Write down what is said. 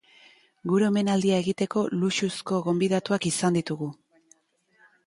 Gure omenaldia egiteko luxuzko gonbidatuak izan ditugu.